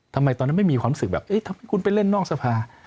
ทำไมตอนนั้นไม่มีความรู้สึกแบบเอ๊ะทำไมคุณไปเล่นนอกสภา